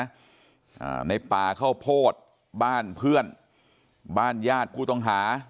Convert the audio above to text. อ่าในป่าข้าวโพดบ้านเพื่อนบ้านญาติผู้ต้องหา